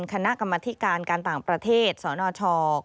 คณะกรรมธิการการต่างประเทศสนช